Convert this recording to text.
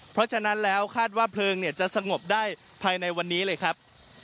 เพราะฉะนั้นแล้วคาดว่าเพลิงจะสงบได้ภายในวันนี้เลยครับ